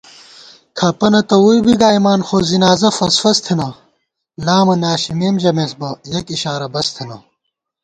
کھپَنہ تہ ووئی بی گائیمان خو زِنازہ فَسفس تھنہ * لامہ ناشِمېم ژَمېس بہ یَک اِشارہ بس تھنہ